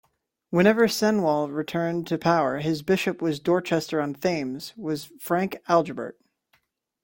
Whenever Cenwalh returned to power, his Bishop in Dorchester-on-Thames was the Frank Agilbert.